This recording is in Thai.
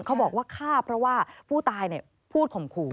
เขาบอกว่าฆ่าเพราะว่าผู้ตายพูดข่มขู่